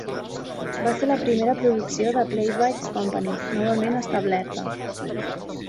Va ser la primera producció de Playwrights' Company, novament establerta.